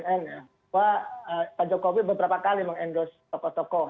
bahwa pak jokowi beberapa kali meng endorse tokoh tokoh